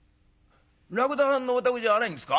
らくださんのお宅じゃないんですか？」。